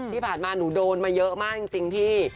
ที่ผ่านมาหนูโดนมาเยอะมากจริงพี่